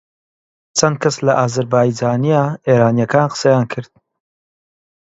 چەند کەس لە ئازەربایجانییە ئێرانییەکان قسەیان کرد